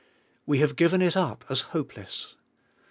We have given it up as hopeless.